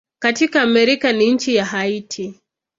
Katika Amerika ni nchi ya Haiti.